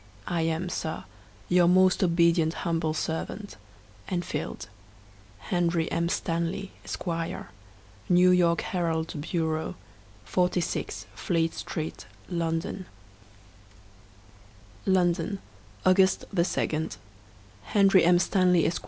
I am, Sir, Your most obedient humble servant, ENFIELD. Henry M. Stanley, Esq., 'New York Herald Bureau,' 46, Fleet Street, London, ooo London, August 2. Henry M. Stanley, Esq.